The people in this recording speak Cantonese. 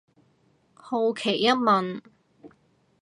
好奇一問